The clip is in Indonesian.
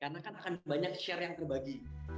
karena kan akan banyak share yang terbagi